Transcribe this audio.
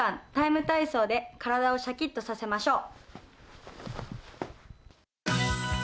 体操」で体をシャキッとさせましょう。